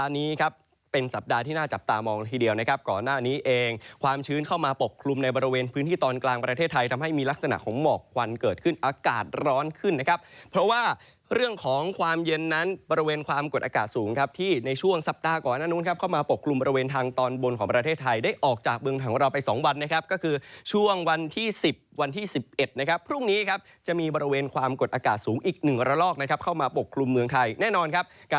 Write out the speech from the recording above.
นหน้านี้เองความชื้นเข้ามาปกคลุมในบริเวณพื้นที่ตอนกลางประเทศไทยทำให้มีลักษณะของหมอกควันเกิดขึ้นอากาศร้อนขึ้นนะครับเพราะว่าเรื่องของความเย็นนั้นบริเวณความกดอากาศสูงครับที่ในช่วงสัปดาห์ก่อนหน้านู้นครับเข้ามาปกคลุมบริเวณทางตอนบนของประเทศไทยได้ออกจากเมืองทางวันเราไปสองวันนะ